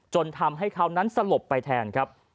จนทำให้เขานั้นสลบไปแทนครับ